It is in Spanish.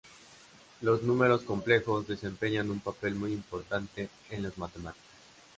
Los números complejos desempeñan un papel muy importante en las matemáticas.